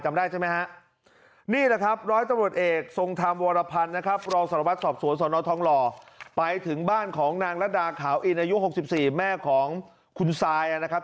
กระดาษข่าวอีนอายุ๖๔แม่ของคุณสายนะครับ